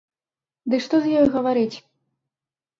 Ды што з ёю гаварыць!